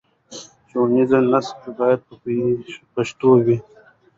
ښوونیز نصاب باید په پښتو وي.